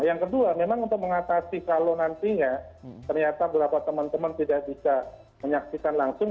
yang kedua memang untuk mengatasi kalau nantinya ternyata beberapa teman teman tidak bisa menyaksikan langsung